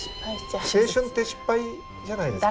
青春って失敗じゃないですか。